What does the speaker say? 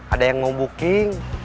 ada yang mau booking